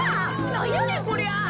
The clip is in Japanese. なんやねんこりゃ。